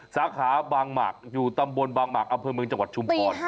สาขาบางหมากอยู่ตำบลบางหมากอำเภอเมืองจังหวัดชุมพร